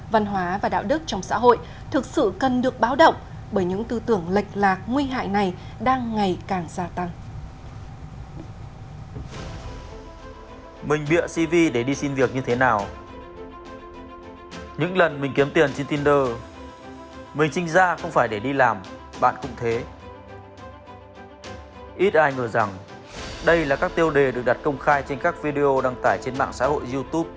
văn hóa và đạo đức trong xã hội thực sự cần được báo động bởi những tư tưởng lệch lạc nguy hại này đang ngày càng gia tăng